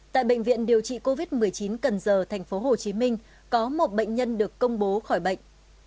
tại bệnh viện điều trị covid một mươi chín cần giờ tp hcm có một bệnh nhân được công bố khỏi bệnh